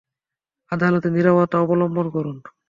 আদালতে নীরবতা অবলম্বন করুন!